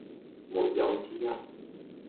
沒有之一